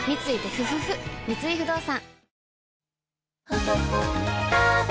三井不動産